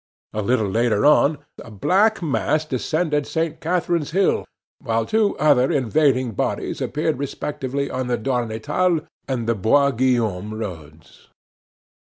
A little later on, a black mass descended St. Catherine's Hill, while two other invading bodies appeared respectively on the Darnetal and the Boisguillaume roads.